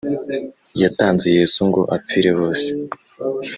Yatanze Yesu ngo apfire bose